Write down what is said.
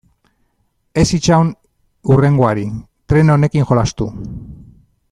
Ez itxaron hurrengoari, tren honekin jolastu.